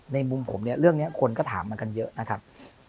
มุมผมเนี่ยเรื่องนี้คนก็ถามมากันเยอะนะครับ